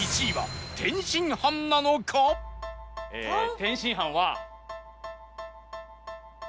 天津飯は。